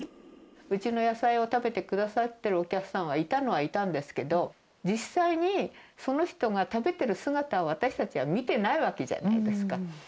うちの野菜を食べてくださってるお客さんはいたのはいたんですけど、実際にその人が食べてる姿を、私たちは見てないわけじゃないですか。